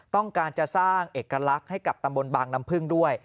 ต้องการจะสร้างเอกลักษณ์ให้กับตำบลบางน้ำพึ่งด้วย